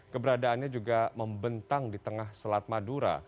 keberadaannya juga membentang di tengah selat madura